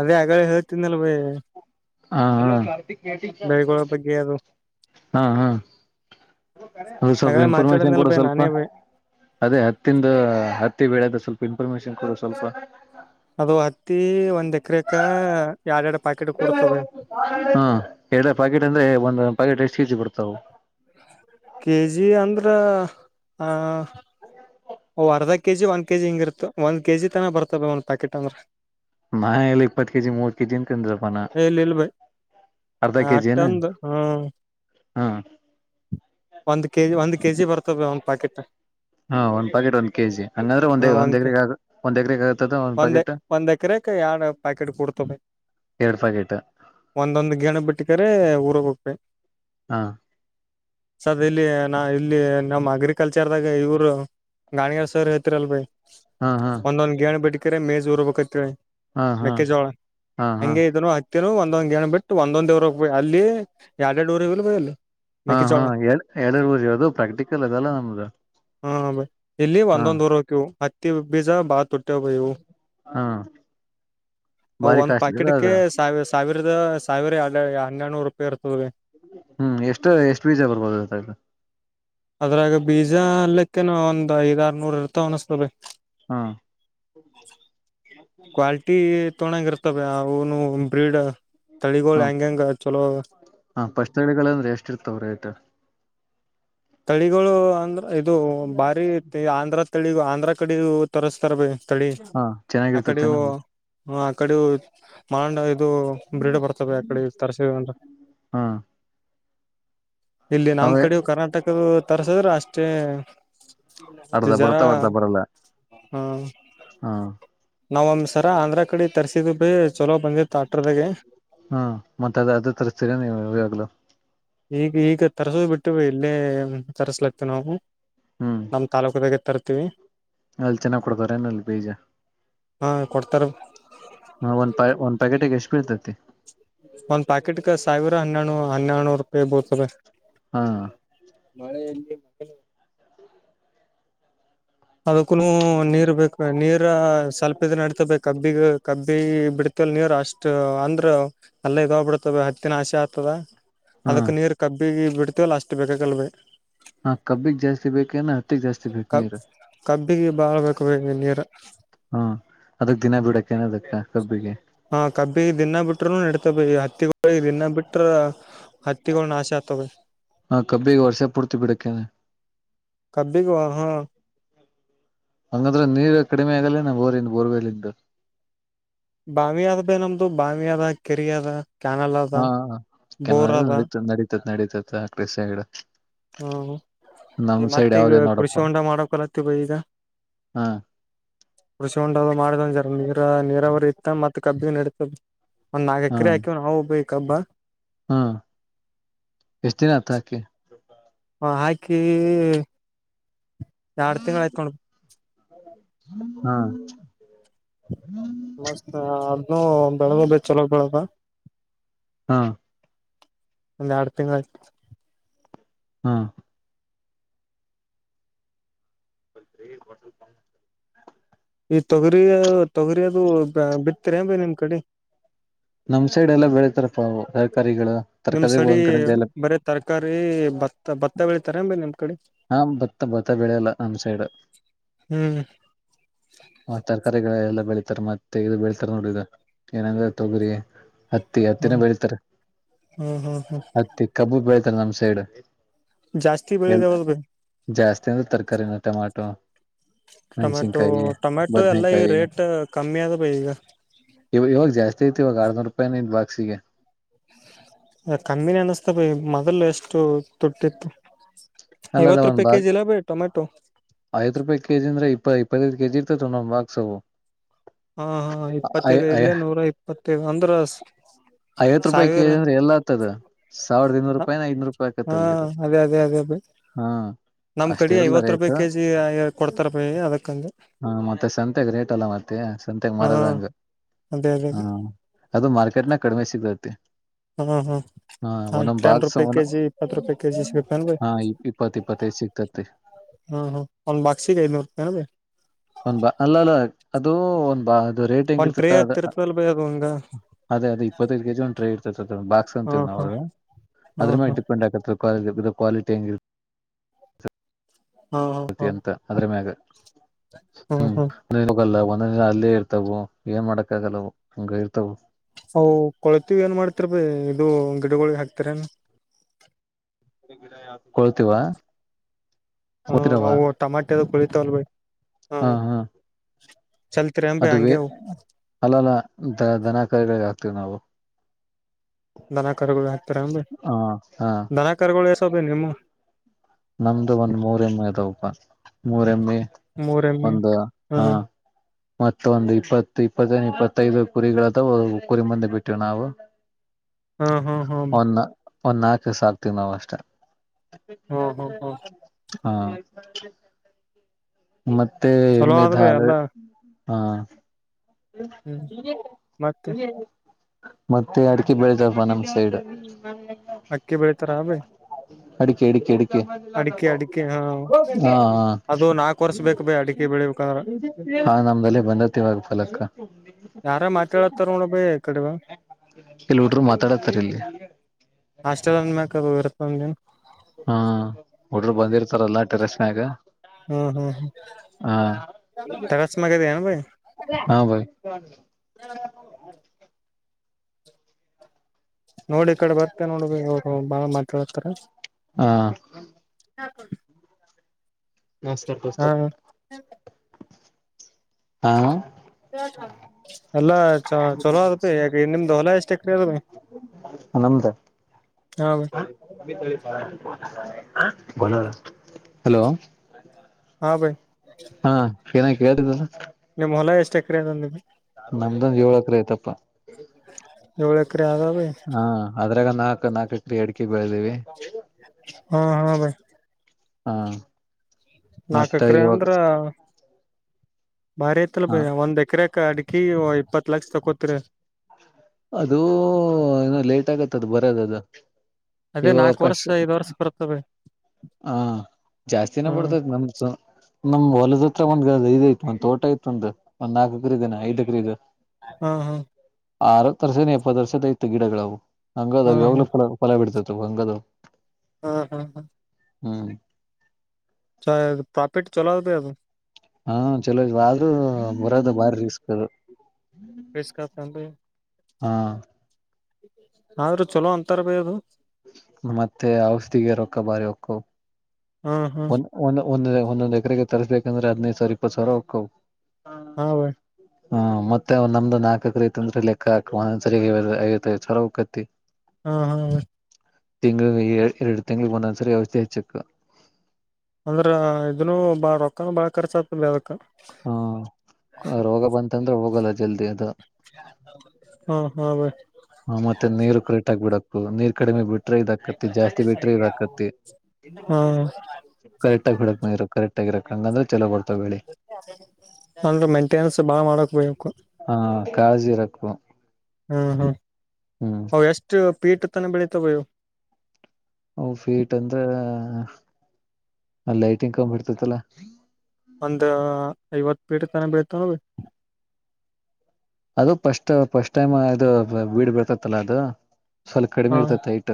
ಆವಾಗ್ಲೇ ಹೇಳಿತೀದ್ನಲ್ಲ ಬೈ ಹಾ ಹ ಬೆಳಿಗಳ ಬಗ್ಗೆ ಅದು ಹಾ ಹಾ. ಅದು ಸ್ವಲ್ಪ ಆಗಳೇ ಇನ್ಫಾರ್ಮೇಶನ್ ಮಾತಾಡನಲ್ ಕೊಡು ಬೈ ಸ್ವಲ್ಪ. ನಾನೇ ಬೈ ಅದೇ ಹತ್ತಿಂದ ಹತ್ತಿ ಬೆಳದ ಸ್ವಲ್ಪ ಇನ್ಫಾರ್ಮೇಶನ್ ಕೊಡ ಸ್ವಲ್ಪ. ಅದು ಹತ್ತಿ ಒಂದ್ ಎಕರೆ ಎರಡ್ ಎರಡ್ ಪ್ಯಾಕೆಟ್ ಕೊಡ್ತದೆ. ಹಾ ಎರಡ ಪಾಕೆಟ್ ಅಂದ್ರೆ ಒಂದ್ ಪಾಕೆಟ್ ಎಷ್ಟ್ ಕೆಜಿ ಬರ್ತಾವು. ಕೆಜಿ ಅಂದ್ರೆ ಹಾ. ಅದು ಕೆ ಜಿ ಒಂದ ಕೆಜಿ ಹಿಂಗ ಇರ್ತ್ತು ಒಂದ್ ಕೆಜಿ ತನ ಬರ್ತವೆ ಒಂದು ಪ್ಯಾಕೆಟ್ ಅಂದ್ರೆ. ನಾ ಎಲ್ಲಿ ಇಪ್ಪತ್ತು ಕೆ ಜಿ ಮೂವತ್ ಕೆಜಿ ಅಂತಂದ್ರಪ್ಪಾನ. ಹೇ ಇಲ್ಲ ಬೈ ಹ ಏನ ಅಷ್ಟೊಂದು ಹ್ಮ ಹಾ ಒಂದ್ ಕೆ ಜಿ ಒಂದ್ ಕೆಜಿ ಬರ್ತದೆ ಒಂದು ಪ್ಯಾಕೆಟ್. ಹಾ ಒಂದು ಪಕೆಟ್ ಒಂದ್ ಕೆ ಜಿ. ಹಂಗಂದ್ರೆ ಹ ಒಂದೇ ಒಂದ್ ಕೆ ಎಗ್ರ ಆ ಒಂದ್ ಎಗ್ರಕ್ಕೆ ಆಗತದ ಒಂದ್ ಪ್ಯಾಕೆಟ್. ಒಂದ್ ಎಕರೆಕ ಎರಡ್ ಪ್ಯಾಕೆಟ್ ಎರಡು ಪ್ಯಾಕೆಟ್. ಒಂದೊಂದು ಗಿಣ ಬಿಟ್ಟಕ್ರ ಊರಾಗ. ಹಾ [inaudible] ಸದ ಇಲ್ಲಿ ನಾ ಇಲ್ಲಿ ನಮ್ಮ್ ಅಗ್ರಿಕಲ್ಚರ್ದಾಗ ಇವರು ಗಾಣಿಗೇರ್ ಸರ್ ಇರಲ್ಲ ಬೈ ಹಾ ಹಾ ಒಂದ ಒಂದ ಗೇಣ ಬಿಟ್ಟಕ್ರ ಮೇಜ್ ಊರ್ಬೇಕತ್ತ ಹಾ ಹಾ ಮೆಕ್ಕೆಜೋಳ ಹಾ ಹಾ ಹಂಗೆ ಇದನ್ನು ಹ ಕೆಲವ ಒಂದೊಂದ್ ಗಣ ಬಿಟ್ಟು ಒಂದೊಂದ್ ಊರಬೇಕ್ ಬೈ ಅಲ್ಲಿ ಯಾಡಾ ಯಾಡಾ ಊರಿರಲ್ಲಿ ಬೈ ಅಲ್ಲಿ ಹಾ ಹಾ ಮೆಕ್ಕೆಜೋಳ ಯಲ್ಲಿ ಯಾಡಾ ಯಾಡಾ ಉರಿರೋದ ಅದ ಪ್ರಾಕ್ಟಿಕಲ್ ಅದಲ್ಲ ನಮ್ದು ಹಾ ಬೈ ಇಲ್ಲಿ ಹಾ ಒಂದ ಒಂದ ಊರಬೇಕ್ ಇವ ಹತ್ತಿ ಬೀಜ ಬಾ ತುಟ್ಟ ಅಷ್ಟ ಬೈ ಅವು ಹಾ [inaudible] ಅವ ಬಾರಿ ಒಂದ್ ಕಾಸ್ಟ್ಲಿ ಅದ ಪಾಕೆಟ್ಗೆ ಅದು ಸಿಗತ್ತಾವ್ ಸಾವಿ ಸಾವಿರದ ಸಾವಿರ ಯಾಡಾ ಹನ್ನೆಡನೂರು ರೂಪಾಯಿ ಇರ್ತದೆ ಹ್ಮ್ ಎಷ್ಟ ಎಷ್ಟ ಬೀಜ ಬರ್ಬೋದು ಅದ್ರಾಗ ಬೀಜ ಅಲ್ಲಕ್ಕೇನ ಒಂದ್ ಐದ್ ಆರ್ನೂರ್ ಇರ್ತಾವ ಅನಸ್ತೀದ ಬೈ. ಹಾ [inaudible] ಕ್ವಲ್ಟಿ ತೊಗೋಡಂಗ ಇರ್ತವ ಅವುನು ಬ್ರೀಡ್ ತಳಿಗಳ ಹೆಂಗ ಹೆಂಗ ಚಲೋ ಹಾ ಪಸ್ತಳಿಗಳ ಅಂದ್ರ ಎಷ್ಟ ಇರ್ತವ ರೇಟ್ ತಳಿಗಳು ಅಂದ್ರ ಇದು ಬಾರಿ ಆಂಧ್ರ ತಳಿ ಆಂಧ್ರ ಕಡೆವು ತರಸ್ತಾರ ಬೈ ತಳಿ ಹ ಅಕ್ಕಡೆವು ಚೆನ್ನಾಗಿರ್ತತೆೇನ ಹ ಅಕ್ಕಡೆವು ಮಾಂಡ ಇದು ಬ್ರೀಡ್ ಬರ್ತವೆ ಆಕಡೆ ತರಸಿಂದ್ರ ಹಾ ಇಲ್ಲಿ ನಮ್ಮ ಅವೇ ಕಡೆವ ಕರ್ನಾಟಕದ ತರ್ಸದ್ರೆ ಅಷ್ಟೇ ಅರ್ಧ ಡಿಜರಾ ಬರ್ತಾವ ಅರ್ಧ ಬರಲ್ಲ [inaudible] ಹ್ಮ ಹ ನಾವ್ ಒಮ್ಮೆ ಸರ ಆಂದ್ರ ಕಡೆ ತರ್ಸಿದ್ ಬೈ ಚಲೋ ಬಂದಿತ್ತ ಹ್ಮ ಮತ್ತ ಅದಾದ ತರಿಸಸ್ತೀರಾ ನೀವು ಇವಾಗ್ಲೂ ಈಗ ಈಗ ತರಸ್ ಬಿಟ್ಟು ಎಲ್ಲೇ ತರ್ಸ್ಲಕ್ತವ ನಾವು ಹ್ಮ್ [inaudible] ನಮ್ಮ ತಾಲೂಕದಾಗ ತರ್ತೀವಿ. ಅಲ್ಲಿ ಚನ್ನಗಿ ಕೊಡ್ತಾರೇನ ಅಲ್ಲಿ ಬೀಜ ಹಾ ಕೊಡ್ತಾರ ಹಾ ಒಂದ ಪ್ಯಾ ಒಂದ ಪ್ಯಾಕೆಟಿಗೆ ಎಷ್ಟ ಬೀಳ್ತೈತಿ ಒಂದು ಪ್ಯಾಕೆಟ್ಗೆ ಸಾವಿರ ಹನ್ನೆಡು ಹನ್ನೆರಡುನೂರು ರೂಪಾಯಿ ಬೀಳತದ ಹಾ ಮಳೆಯಲ್ಲಿ ಅದಕ್ಕೂನು ನೀರ್ ಬೇಕ ನೀರ ಸ್ವಲ್ಪ ಇದ್ದರ ನಡಿತದ ಕಬ್ಬಿಗ ಕಬ್ಬಿ ಬಿಡ್ತ ನೀರು ಅಷ್ಟ ಅಂದ್ರ ಅಲ್ಲೇ ಅದಾವ ಬಿಡ ಅದಕ್ಕೇನ್ ಹತ್ತಿನು ಹಸಿ ಆಗ್ತದ [inaudible] ಹಾ ಅದಕ್ ನೀರ ಕಬ್ಬಿಗೆ ಬಿಡ್ತೀವಲ್ಲ ಅಷ್ಟ ಬೇಕಾಗಲ್ ಬೆ ಹಾ ಕಬ್ಬಿಗೆ ಜಾಸ್ತಿ ಬೇಕ ಏನ ಹತ್ತಿಗೆ ಜಾಸ್ತಿ ಬೇಕ ಕಬ್ ನೀರ ಕಬ್ಬಿಗೆ ಬಾಳ ಬೇಕ ಬೇ ನೀರ ಹ್ಮ ಅದಕ್ ದಿನ ಬಿಡಕ್ಕ ಏನ ಅದಕ್ಕ ಕಬ್ಬಿಗೆ ಹಾ ಕಬ್ಬಿಗೆ ದಿನ್ನಾ ಬಿಟ್ಟರು ನಡಿತೆದ ಬೆ ಹತ್ತಿಗ ದಿನ ಬಿಟ್ರ ಹತ್ತಿಗಳ ನಾಶ ಆಗ್ತವ ಹಾ ಕಬ್ಬಿಗೆ ವರ್ಷ ಪೂರ್ತಿ ಬಿಡಕ್ಕೆೆ ಕಬ್ಬಿಗ ಹಾಹು ಹಂಗಾದ್ರೆ ನೀರ್ ಕಡಿಮೆ ಆಗಲ್ಲೇನ ಬೋರ ಬೋರ್ವಲಿಿಂದ ಬಾವಿ ಆದ ಭೇ ನಮ್ದು ಬಾವಿ ಅದ ಕೆರಿ ಅದ ಕ್ಯಾನಲ್ ಅದ ಹಾ ಯಾಕ ಬೋರ್ ಅದ ನಡಿತದ ನಡೀತದ ನಡೀತದ ಕ್ರಷಿಡ ಹ್ಮ ಈಗ ಮತ್ತ ಈಗ ಕೃಷಿ ನೋಡಪ್ಪ ಹೊಂಡಾ ಮಾಡೋಕಲತ್ತೀ ಬೈ ಈಗ ಹಾ ಕೃಷಿ ಹೊಂಡ ಅದು ಮಾಡದ ಜಗ್ಗ ನೀರ ನೀರಾವರಿ ಇತ್ತ ಅಂದ್ರ ಮತ್ತ ಕಬ್ಬಿಗೆ ನಡಿತದ ಒಂದ ನಾಕ ಹಾ ಎಕರೆ ಹಾಕಿವಿ ನಾವು ಬೈ ಕಬ್ಬ. ಹಾ ಎಷ್ಟ ದಿನಾ ಆತ ಹಾಕಿ. ಹು ಹಾಕಿ ಎರಡು ತಿಂಗಳು ಆಯ್ತ ನೋಡು. ಹಾ ಮತ್ತ ಅದ್ನು ಬೆಳದಲ್ಲಿ ಚಲೋ ಬೆಳದ. ಹಾ ಒಂದು ಎರಡು ತಿಂಗಳು ಆಯ್ತು. ಹಾ ಒಂದೆ ಕ್ವಾಟರ್ಸ್ ನಮ್ಮದ. ಈ ತೊಗರಿ ತೊಗರಿ ಅದು ಬಿತ್ತರೆಂಡ್ರಿ ನಿಮ್ಮ ಕಡೆ. ನಮ್ಮ ಸೈಡ್ ಎಲ್ಲಾ ಬೆಳೀತಾರಪ್ಪಾವು ತರಕಾರಿಗಳು ನಿಮ್ ತರಕಾರಿಗಳು ಸಡಿ ಒಂದ ಕಡೆಯಿಂದ ಎಲ್ಲಾ. ಬರೇ ತರಕಾರಿ ಭತ್ತ ಭತ್ತ ಬೆಳಿತಾರೆ ಅಂಬೇ ನಿಮ್ಮ ಕಡೆ. ಹಾ ಬತ್ತ ಬತ್ತ ಬೆಳೆಯಲ್ಲ ನಮ್ ಸೈಡ. ಹ್ಮ್ ಆ ತರಕಾರಿಗಳ ಎಲ್ಲಾ ಬೆಳೀತಾರೆ ಮತ್ತೆ ಇದು ಬೆಳತಾರ ನೋಡಿದು ಏನಂದ್ರೆ ತೊಗರಿ. ಹತ್ತಿ ಹತ್ತಿನ ಹ್ಮ್ ಬೆಳಿತಾರೆ ಹ್ಮ್ ಹ್ಮ್ ಹ್ಮ್ ಹತ್ತಿ ಕಬ್ಬು ಬೆಳಿತಾರೆ ನಮ್ಮ ಸೈಡ. ಜಾಸ್ತಿ ಬೆಳದ ಅವದ್ರಿ. ಜಾಸ್ತಿ ಅಂದ್ರೆ ತರಕಾರಿನೆ ಟೊಮಾಟೊ. ಟೊಮ್ಯಾಟೊ ಮೆಣಸಿನ್ಕಾಯಿ ಟೊಮ್ಯಾಟೊ ಎಲ್ಲಾ ಈ ಬದ್ನೆಕಾಯಿ ರೇಟ್ ಕಮ್ಮಿ ಆದ ಈಗ. ಇವಾಗ ಇವಾಗ ಜಾಸ್ತಿ ಐತಿವಾಗ ಆರ್ನೂರು ರೂಪಾಯನ ಐತಿ ಬಾಕ್ಸಿಗೆ. ಅದ ಕಮ್ಮಿನಿ ಅನಿಸ್ತ ಪ ಮೊದಲು ಎಷ್ಟು ತುಟ್ಟಿತ್ತು. ಐವತ್ತು ರೂಪಾಯಿ ಕೆಜಿ ಅಲ್ಲಾ ಬೈ ಟೊಮೆಟೊ. ಐದ ರೂಪಾಯಿ ಕೆಜಿ ಅಂದ್ರ ಇಪ್ಪ ಇಪ್ಪತ್ತೈಐದು ಕೆ ಜಿ ಇರ್ತ ಒಂದ ಒಂದ ಬಾಕ್ಸವು. ಹಾ ಹಾ ಇಪ್ಪತ್ತೈದು ಐ ಇಲ್ಲೇ ನೂರ ಇಪ್ಪತ್ತೈದು ಅಂದ್ರಸ್. ಐವತ್ತು ರೂಪಾಯಿ ಕೆಜಿ ಅಂದ್ರ ಎಲ್ಲ ಆತದ ಸಾವಿರದ ಇನ್ನೂರು ರೂಪಾಯ ಐದನೂರು ರೂಪಾಯಿ ಹಾ ಆಕತಲ್ಲಿ ಅದು. ಅದೇ ಅದೆ ಅದೆ. ಹಾ ನಮ್ಮ ಅಷ್ಟ ಕಡೆ ಇರಲ್ಲ ಐವತ್ತು ರೇಟ್ ರೂಪಾಯಿ ಹ ಕೆಜಿ ಕೊಡ್ತಾರ ಬೈ ಅದಕ್ಕಂದೆ. ಹಾ ಮತ್ತೆ ಸಂತೆಗ ರೇಟ್ ಅಲ್ಲ ಮತ್ತೆ ಸಂತೆಗ ಹಾ ಮಾರದಹಂಗೆ. ಅದೇ ಅದೇ ಅದೆ ಅದು ಮಾರ್ಕೆಟ್ ನ್ಯಾಗ ಕಡಿಮೆ ಸಿಗ್ತೈತಿ. ಹಾ ಹಾ ಹಾ ಒಂದೊಂದು ಟೆನ್ ಬಾಕ್ಸ ರೂಪಾಯಿ ಅವಲ್ಲ ಕೆಜಿ ಇಪ್ಪತ್ತು ರೂಪಾಯಿ ಕೆಜಿ ಸಿಗತ್ತೇನ್ ಬೈ ಹಾ ಇಪ್ಪಿ. ಇಪ್ಪತ್ ಇಪ್ಪತೈದ್ ಸಿಗ್ತತಿ. ಹಾ ಹೌದ ಒಂದ ಬಾಕ್ಸಿಗೆ ಐದನುರೂಪಾಯಿನ ಅದ. ಒಂದ ಬಾ ಅಲ್ಲಾ ಅಲ್ಲಾ ಅದು ಒಂದ್ ಬಾ ಅದು ರೇಟ್. ಹೆಂಗ ಒಂದ ಟ್ರೇ ಇರ್ತತ್ತ ಅದ ಅಂತಿರ್ತದಲ್ಲಾ ಬೈಯಾ. ಅದೇ ಅದೇ ಇಪ್ಪತ್ತೈದು ಕೆ ಜಿ ಒಂದ ರೈ ಇರ್ತೈತೆ ಅದ ಬಾಕ್ಸ್ ಹಾ ಅಂತವ ನಾವು ಹಾ ಅದ. ಹಾ ಅದು ಹಾ ಮೇಲೇ ಡಿಪೆಂಡ ಆಗುತ್ತ ಕ್ವಾಲಿ ಆಕ್ವಾಲಿ ಹೆಂಗ ಇರುತ. ಹೊ ಹೊ ಅತ್ಯಂತ ಅದ್ರ ಮ್ಯಾಗ ಹು. ಹ್ಮ್ ಹ್ಮ್ ಮೇಲುಗಲ್ಲ ಒಂದ ದಿನ ಅಲ್ಲೇ ಇರ್ತವು ಏನ್ ಮಾಡಕ್ಕ ಆಗಲ್ಲ ಅವು ಹಂಗ ಇರ್ತವು. ಅವು ಕೊಳತಿವಿ ಏನ್ ಮಾಡ್ತರಿ ಬೈ ಇದು ಗಿಡಗಳಿಗೆ ಹಾಕ್ತಿರೇನ. ಇದು ಗಿಡಾ ಯಾವದ ಕೊಳ್ತೀವಾ. ಹಾ ಅವು ಟಮಾಟೆದ ಕೋಳಿತಾವದು ಬೈ. ಚಲ್ತಿರೇನ್ ಬೈ ಅದು ವೇ ಹಂಗೆ ಅಲ್ಲಾ ಅಲ್ಲಾ ದ ದನಾ ಕರಿಗಳಿಗೆ ಹಾಕ್ತಿವಿ ನಾವು. ದನಾ ಕರುಗಳು ಹಾಕ್ತಾರೆ ಏನ್ ಬೈ ಹ ಹಾ ದನಾ ಕರುಗಳು ಎಸೋವೆ ಬೈ ನಿಮ್ಮವು. ನಮ್ದು ಒಂದ್ ಮೂರ್ ಎಮ್ಮಿ ಅದಾವಪ್ಪ ಮೂರ್ ಎಮ್ಮಿ ಮೂರ್ ಎಮ್ಮಿ ಒಂದ ಹ್ಮ್ ಹಾ- ಮತ್ತೊಂದು ಇಪ್ಪತ್ತು ಇಪ್ಪತ್ತ ಇಪ್ಪತ್ತೈದು ಕುರಿಗಳಾದವು ಕುರಿ ಮಂದೇ ಬಿಟ್ಟೇವಿ ನಾವು ಹ್ಮ್ ಹ್ಮ್ ಹ್ಮ್ ಒಂದ ಒಂದ ನಾಲ್ಕ ಸಾಕ್ತೀವಿ ನಾವ್ ಅಷ್ಟೆ ಹ್ಮ್ ಹ್ಮ್ ಹ್ಮ್ ಹಾ ಮತ್ತೆ ಚಲೋ ಎಮ್ಮಿದ ಆದ್ವಿ ಹಾಲ ಎಲ್ಲಾ ಹಾ ಹ್ಮ್ ಮತ್ತೆ ಮತ್ತೆ ಅಡಕೆ ಬೆಳಿತಪ್ಪ ನಮ ಸೈಡ್ ಅಕ್ಕಿ ಬೆಳೀತಾರ ಅ ಬೈ ಅಡಿಕೆ ಅಡಿಕೆ ಅಡಿಕೆ ಅಡಿಕೆ ಹಾ ಹಾ ಅದು ನಾಲ್ಕು ವರ್ಷ ಬೇಕ ಬಿ ಅಡಿಕೆ ಬೆಳಿಬೇಕಂದ್ರ ಹಾ ನಮ್ದಲ್ಲಿ ಬಂದತಿ ಇವಾಗ ಫಲಕ್ಕ ಯಾರ ಮಾತಾಡತ್ತಾರ ನೋಡ ಬಿ ಈ ಕಡೆ ಬಾ ಕೆಲ್ ಹುಡರು ಮಾತಾಡಾಕತಾರೆ ಇಲ್ಲಿ ಹಾಸ್ಟೆಲ್ ಅನ್ಮ್ಯಾಕ್ [unintelligible] ಹ್ಮ ಹುಡರು ಬಂದಿರ್ತಾರಲ್ಲಾ ಟೆರಸ್ ಮ್ಯಾಗ ಹ್ಮ್ ಹ್ಮ್ ಹಾ ಹ್ಮ್ ಟೆರೇಸ್ನಾ ಮ್ಯಾಲೆ ಅದಿಯೇನ್ ಭೈ ಹಾ ಬೈ [inaudible] ನೋಡಿ ಈ ಕಡೆ ಬರ್ತೆೇ ನೋಡ ಬೈ ಬಾಳ ಮಾತಾಡಕತಾರ ಹಾ [inaudible] ನಮಸ್ಕಾರ ಹಾ [inaudible] ಹಾ [inaudible] ಎಲ್ಲಾ ಚಲೋ ಆದ ನಿಮ್ದು ಹೊಲ ಎಷ್ಟ ಎಕ್ರೆ [inaudible] ನಮ್ದ ಹಾ ಬೈ ಹಲೋ ಹಾಂ ಬಾಯ್ ಹಾ ಏನ ಕೇತಿದ್ದಾರ ನಿಮ್ ಹೊಲ ಎಷ್ಟು ಎಕರೆ ಅದ ನಮ್ದಂದ್ ಏಳು ಎಕ್ರೆ ಆಯ್ತಪ್ಪ ಏಳ್ ಎಕ್ರೆ ಅದಾವ್ರಿ ಹಾ ಅದ್ರಾಗ ನಾಕ ನಾಲ್ಕಕ್ರಿ ಅಡಿಕೆ ಬೆಳದಿವವಿ ಹಾ ಹಾ ಭೈ ಹಾ ನಾಕ ಮತ್ತ ಎಕರೆ ಇವಾಗ ಅಂದ್ರ ಬಾರಿ ಐತ್ಲ್ ಯಲಪ್ ಹ ಒಂದ್ ಎಕರೆ ಅಡಿಕೆಗೆ ಇಪ್ಪತ್ ಲಕ್ಷ ತಕೋತ್ರಿ ಅದುೂ ಏನ ಲೇಟ್ ಆಗತ್ತ ಅದು ಬರೋದ ಅದು ಅದೇ ನಾಕು ವರ್ಷ ಐದ ವರ್ಷ ಬರ್ತದೆ ಹಾ ಜಾಸ್ತಿನ ಹ್ಮ್ ಬಡ್ತದ [inaudible] ನಮ್ ಹೊ ಹೊಲದ ಹತ್ರ [inaudible] ಒಂದ್ ತೋಟ ಐತ್ ಒಂದ್ ನಾಲ್ಕ ಎಕರೆ ಐದ ಎಕ್ರ ಅದು ಹ್ಮ ಹ್ಮ್ ಆರತ್ ವರ್ಷನೇ ಎಪ್ಪತ್ತು ವರ್ಷದ ಐತ್ ಗಿಡಗಳುವು ಹಾ ಹಂಗಾದ ಅವಲ ಹಾ ಫ ಫಲ ಬಿಡ್ತವು ಹಂಗದವು ಹ [unintelligible] ಹ್ಮ್ ಚ ಪ್ರಾಫಿಟ್ ಚಲೋ್ ರೀ ಅದು ಹಾ ಚಲೋ ಇ ಆದ್ರೂ ಬರೋದ ಬಾರಿ ರಿಸ್ಕ್ ಅದು ರಿಸ್ಕ್ ಕಥಂತ [unintelligible] ಹಾ ಆದ್ರು ಚಲೋ ಅಂತರ ಆಲ್ ಅದು ಮತ್ತೆ ಔಷಧಿಗೆ ರೊಕ್ಕ ಬಾಲ ಇರತದ ಹ್ಮ್ ಹ್ಮ್ ಒಂದ ಒಂದ ಒಂದೊಂದ್ ಎಕರೆಗೆ ತರ್ಸ್ಬೇಕಂದ್ರೆ ಅದಿನೈದು ಸಾವಿರ ಇಪ್ಪತ್ತು ಸಾವಿರ ಓಕತಾವ್ ಹಾ ಹ್ಮ್ ಮತ್ತೆ ಅವ್ ನಮ್ದ ನಾಲ್ಕರು ಐತೆ ಅಂದ್ರೆ ಲೆಕ್ಕಾಕಿ ಒನೊಂದು ಸರಿ ಇವತ್ತು ಇವತ್ತು ಸಾವಿರ ಒಕ್ತಾತಿ ಹಾ ಹಾ ತಿಂಗಳಿಗೆ ಎರಡು ತಿಂಗಳ ಒಂದೊಂದ್ಸರಿ ವ್ಯವಸ್ಥೆ ಹೆಚ್ಚ ಅಂದ್ರ ಇದನ್ನು ಬಾಳ ರೊಕ್ಕನ ಬಾಳ ಖರ್ಚ ಆಗ್ತದ ಅದಕ್ ಹ್ಮ ರೋಗ ಬಂತಂದ್ರೆ ಹೋಗಲ್ಲ ಜಲ್ದಿ ಅದು ಹಾ ಹೌದ ಹ ಮತ್ತೆ ನೀರು ಕರೆಕ್ಟ್ ಆಗಿ ಬಿಡ್ಬೇಕು ನೀರ್ ಕಡಿಮೆ ಬಿಟ್ರೆ ಇದ ಹಾಕತ್ತತಿ ಜಾಸ್ತಿ ಬಿಟ್ರೆ ಇದ ಹಾಕತ್ತತಿ ಹಾ ಕರೆಕ್ಟಾಗ್ ಬಿಡಕ್ ನೀರು ಕರೆಕ್ಟ್ ಬಿಡ್ಬೇಕು ಅಗಾದ್ರೆ ಚಲೋ ಬರ್ತಾವ ಬೆಳ್ಳುಳ್ಳಿ ಅಂದ್ರ ಮೇಂಟೆನೆನ್ಸ್ ಬಾಳ ಮಾಡಕ್ ಬೈ ಅವಕ್ಕ ಹಾ ಕಜಿರಕ್ಕು ಹ್ಮ್ ಹ್ಮ್ ಅ ಎಷ್ಟು ಪೀಟ ತಾನ ಬೆಳಿತಾವ ಅವು ಫೀಟ್ ಅಂದ್ರ ಅ ಲೈಟಿಂಗ್ ಕಂಬೆರ್ತಾತ್ತಲ್ಲ ಒಂದ ಐವತ್ತು ಪೀಟ ತನ ಬೀಳ್ತವೆ ಎನ್ ಅದು ಪಫಸ್ಟ್ ಫಸ್ಟ್ ಟೈಮ್ ಅದು ಬೀಡ್ ಬರ್ತತ್ತಲ್ಲಾ ಅದು ಸ್ವಲ್ಪ ಕಡಿಮೆ ಹಾ ಇರ್ತತ್ತ ಹೈಟ್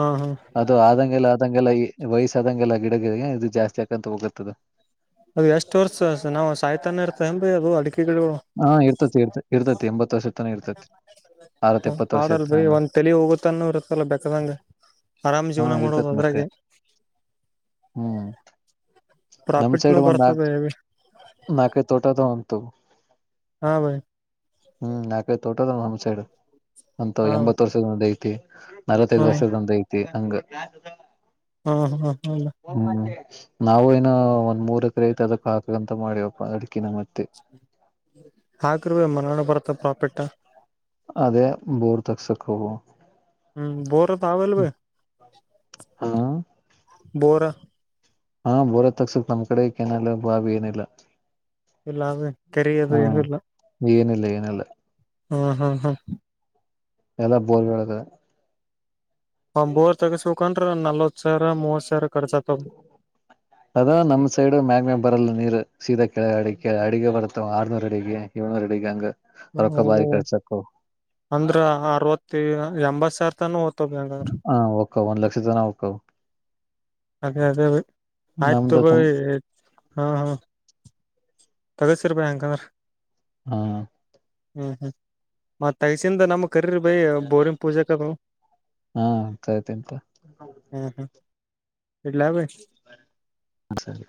ಹಾ ಹಾ ಅದು ಆದಂಗೆಲ್ಲ ಆದಂಗೆಲ್ಲ ವಯಸ್ಸ ಆದಂಗೆಲ್ಲ ಗಿಡಗಿ ಇದು ಜಾಸ್ತಿ ಆಾಕಂತ ಹೋಗತದು ಅದು ಎಷ್ಟು ವರ್ಸ್ ನಾವು ಸಾಯ್ತಾನ ಇರ್ತವೆ ಬೈ ಅದು ಅಡಿಕೆಗಳು ಹಾ ಇರ್ತತಿ ಇರ್ ಇರ್ತತಿ ಎಂಬತ್ ವರ್ಷದ ತನ ಇರ್ತತಿ ಅರವತ್ ಹ ಎಪ್ಪತ್ ವರ್ಷ ಪಾಡ ಇರ್ತ ಬೇ ಹಂಗ ಒಂದ್ ತಲಿ ಹೋಗುತ್ತಾನೂ ಇತ್ತಲ್ಲ ಬೇಕದಂಗ ಆರಾಮ್ ಹಾ ಜೀವನ ಮಾಡೋದು ಇರ್ತೇತ್ ಮತ್ತೆ ಅದ್ರಾಗೆ ಹ್ಮ್ ನಮ್ಮ ಪ್ರಾಫಿಟ್ನು ಸೈಡು ಒಂದ ಬರ್ತದೆ ಹೆವಿ ನಾಲ್ಕು ತೋಟದ ವಂತಾವ್ ಹಾ ಭಾಯ್. ಹ್ಮ್ ನಾಕೈ ತೋಟದ ಬಾಯ್ ಅಂತ ಹಾ ಎಂಬತ್ ವರ್ಷದ ಐತಿ. ನಲವತ್ತೈದು ಹಾ ವರ್ಷದಂತ ಐತಿ ಹಂಗ. ಹ್ಮ್ ಹ್ಮ್ ಹ್ಮ. ಹ್ಮ್ ನಾವು ಏನೊ ಒಂದ್ ಮೂರ್ ಎಕರೆ ಐತೆ ಅದಕ್ ಹಾಕಕ್ಕಂತ ಮಾಡವಪ್ಪ ಅಡಕಿನ ಮತ್ತೆ. ಹಾಕ್ರ ಭೈ ಮನಗಂಡ್ ಬರತ್ತ ಪ್ರಾಫಿಟ್. ಅದೇ ಬೋರ್ ತಕ್ಸಕ್ಕು. ಹ್ಮ್ ಬೋರ ತಾವಲ್ಲ ಭಾಯ್ ಹಾ ಬೋರಾ. ಹಾ ಬೋರ ತಕ್ಸುಕ್ ನಮ್ ಕಡೆ ಕೆನಲ್ಲ ಬಾವಿ ಏನಿಲ್ಲ. ಇಲ್ಲ ಅದ ಕೆರಿ ಅದು ಹಾ ಏನು ಇಲ್ಲ ಏನಿಲ್ಲ ಏನಲ್ಲ. ಹ್ಮ್ ಹ್ಮ್ ಹ್ಮ. ಎಲ್ಲ ಬೋರ ವೇಲ್ ಒಂಬೋರ್ ತಗಸಬೇಕಅಂದ್ರೆ ನಲ್ವತ್ತು ಸಾವಿರ ಮೂವತ್ತು ಸಾವಿರ ಖರ್ಚು ಅದ ನಮ್ ಸೈಡ್ ಮ್ಯಾಗ್ಮೇ ಬರಲ್ಲ ನೀರು ಸೀದಾ ಕೆಳ ಅಡಿಕ ಅಡಗೆ ಬರುತಾವ ಆರ್ನೂರ್ ಅಡಗೆ ಇವನ ರೆಡಿಗ್ಯಾಂಗ್ [unintelligible] ಅಂದ್ರ ಅರವತ್ತ ಎಂಬತ್ ಸಾವಿರ ತಾನ ಹೋಗ್ತದ ಹಂಗಾರ. ಹಾ ಹೋಗ್ತಾವ್ ಒಂದು ಲಕ್ಷ ಜನ ಹೋಗ್ತಾವ್. ಅದೇ ಅದೇ ಬೈ ಆಯ್ತು ನಮ್ದ ತಗೋ ತುಂ ಹಾ ಹಾ ತೆಗೆಸಿರಪೇ ಹಂಗಾರ. ಹಾ ಹಾ ಹಾ ತೆಗಿಸಿದ್ ನಮ್ಮ ಕರೀರಿ ಬೈ ಬೋರಿಂಗ್ ಪೂಜೆ. ಹಾ ಕರೀತಿನಿ. ಹಾ ಹಾ ಇಡ್ಲ ಭೈ. ಅ ಸರಿ.